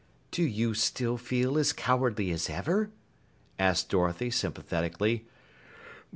"Do you still feel as cowardly as ever?" asked Dorothy sympathetically.